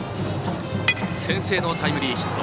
先制のタイムリーヒット。